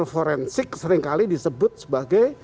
forensik seringkali disebut sebagai